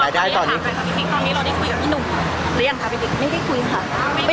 พี่ตอบได้แค่นี้จริงค่ะ